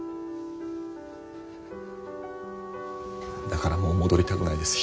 だからもう戻りたくないです